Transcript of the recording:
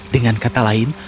dengan kata lain